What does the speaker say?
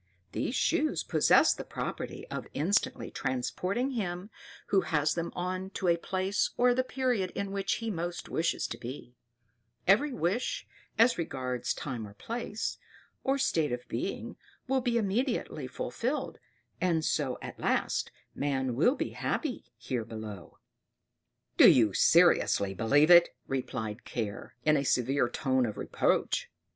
These shoes possess the property of instantly transporting him who has them on to the place or the period in which he most wishes to be; every wish, as regards time or place, or state of being, will be immediately fulfilled, and so at last man will be happy, here below." "Do you seriously believe it?" replied Care, in a severe tone of reproach.